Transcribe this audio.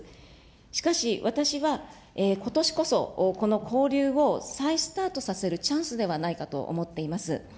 しかし、私はことしこそ、この交流を再スタートさせるチャンスではないかと思っています。